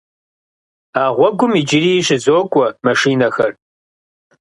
А гъуэгум иджыри щызокӏуэ машинэхэр.